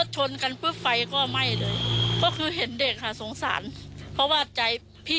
เจ้าไป